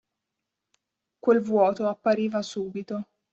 Quel vuoto appariva subito.